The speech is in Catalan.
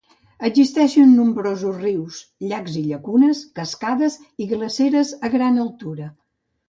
Existeixen nombrosos rius, llacs i llacunes, cascades, i glaceres a gran altura.